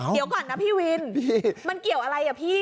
เดี๋ยวก่อนนะพี่วินมันเกี่ยวอะไรอ่ะพี่